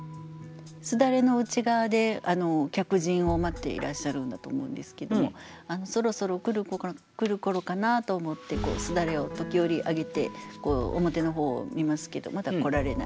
簾の内側で客人を待っていらっしゃるんだと思うんですけども「そろそろ来る頃かな？」と思って簾を時折上げて表の方を見ますけどまだ来られない。